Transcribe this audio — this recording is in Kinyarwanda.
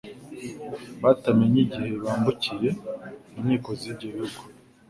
batamenye igihe bambukiye inkiko z'ibyo bihugu.